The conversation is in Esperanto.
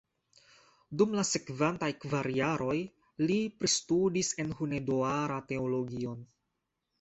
Dum la sekvantaj kvar jaroj li pristudis en Hunedoara teologion.